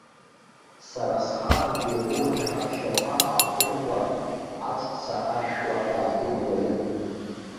Сара схаангьы урҭ рҳаԥшьақәа аахуртлар, аҵәца ашәуа, иааҭугон аҩы.